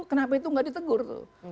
kenapa itu nggak ditegur tuh